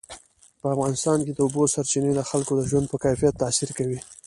په افغانستان کې د اوبو سرچینې د خلکو د ژوند په کیفیت تاثیر کوي.